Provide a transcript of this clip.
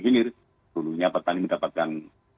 jadi dulunya petani mendapatkan